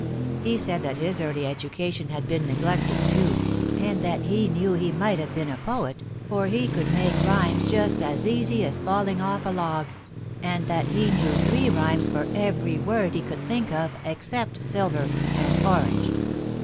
He said that his early education had been neglected, too, and that he knew he might have been a poet, for he could make rhymes just as easy as falling off a log, and that he knew three rhymes for every word he could think of except "silver" and "orange."